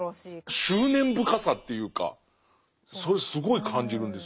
執念深さっていうかそれすごい感じるんですよね。